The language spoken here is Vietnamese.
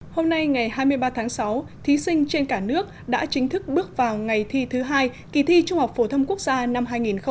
hôm nay ngày hai mươi ba tháng sáu thí sinh trên cả nước đã chính thức bước vào ngày thi thứ hai kỳ thi trung học phổ thông quốc gia năm hai nghìn một mươi chín